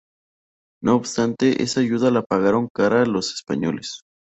No obstante, esa ayuda la pagaron cara los españoles.